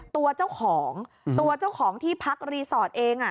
ตัวเจ้าของที่พักรีสอร์ทเอง